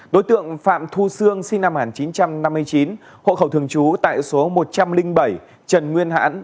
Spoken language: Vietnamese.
đối tượng phạm thu sương sinh năm một nghìn chín trăm năm mươi chín hộ khẩu thường trú tại số một trăm linh bảy trần nguyên hãn